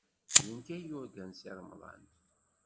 D nekk ay yurgan Si Remḍan.